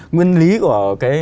nguyên lý của cái